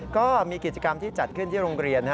ก็มีกิจกรรมที่จัดขึ้นที่โรงเรียน